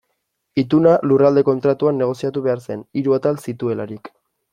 Ituna Lurralde Kontratuan negoziatu behar zen, hiru atal zituelarik.